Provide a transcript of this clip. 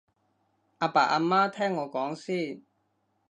阿爸阿媽聽我講先